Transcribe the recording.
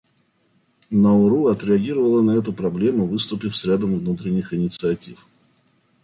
Науру отреагировала на эту проблему, выступив с рядом внутренних инициатив.